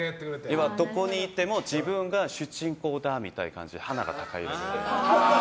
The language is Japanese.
どこにいても自分が主人公だみたいな感じで鼻が高い。